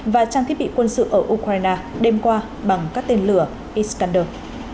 và trang thiết bị quân sự ở ukraine đêm qua bằng các tên lửa iskander